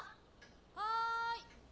・はい！